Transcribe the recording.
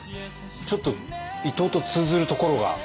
ちょっと伊藤と通ずるところが。